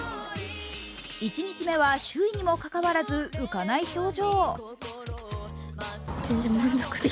１日目は、首位にもかかわらず浮かない表情。